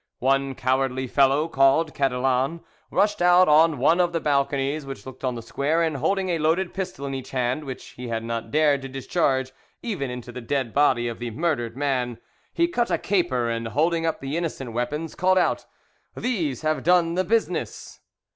One cowardly fellow, called Cadillan, rushed out on one of the balconies which looked on the square, and, holding a loaded pistol in each hand, which he had not dared to discharge even into the dead body of the murdered man, he cut a caper, and, holding up the innocent weapons, called out, "These have done the business!"